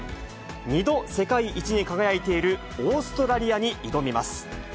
２度、世界一に輝いているオーストラリアに挑みます。